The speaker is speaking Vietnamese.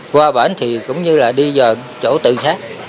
qua bển thì cũng như là đi vào chỗ tự xác